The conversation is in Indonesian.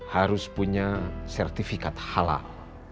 harus punya sertifikat halal